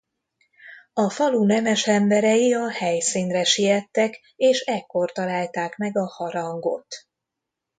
A falu nemes emberei a helyszínre siettek és ekkor találták meg a harangot.